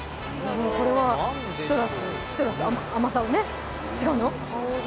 これはシトラス、甘さをね、違うの？